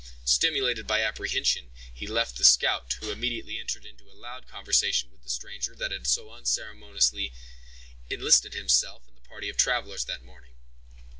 Stimulated by apprehension, he left the scout, who immediately entered into a loud conversation with the stranger that had so unceremoniously enlisted himself in the party of travelers that morning.